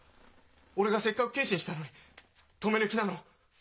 俺がせっかく決心したのに止める気なの？